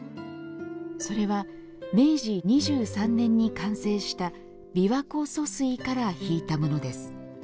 それは明治２３年に完成した琵琶湖疏水から引いたものです。